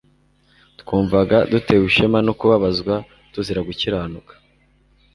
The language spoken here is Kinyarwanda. twumvaga dutewe ishema no kubabazwa tuzira gukiranuka